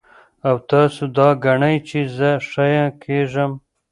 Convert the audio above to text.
او تاسو دا ګڼئ چې زۀ ښۀ کېږم